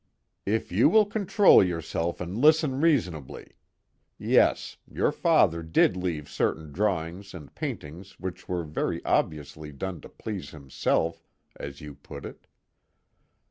"If you will control yourself and listen reasonably: yes, your father did leave certain drawings and paintings which were very obviously done to please himself, as you put it.